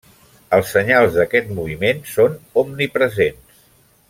Els senyals d'aquest moviment són omnipresents.